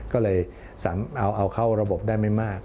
ก็เลยเอาเข้าระบบได้ไม่มาก